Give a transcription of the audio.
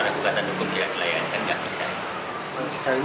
masih diam atau sempat